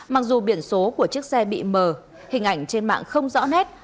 mặc dù biển số của chiếc xe bị mờ hình ảnh trên mạng không rõ nét